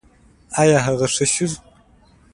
ایا هغه ښه شو؟